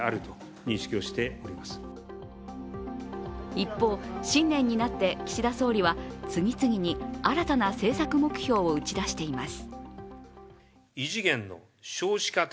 一方、新年になって岸田総理は次々に新たな政策目標を打ち出しています。